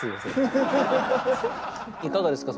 いかがですか？